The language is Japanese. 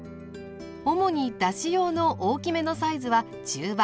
主にだし用の大きめのサイズは「中羽」